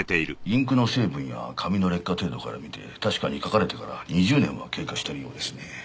インクの成分や紙の劣化程度から見て確かに書かれてから２０年は経過してるようですね。